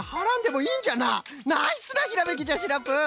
ナイスなひらめきじゃシナプー！